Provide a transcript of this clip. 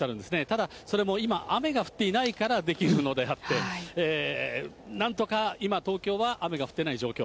ただ、それも今、雨が降っていないからできるのであって、なんとか今、東京は雨が降っていない状況。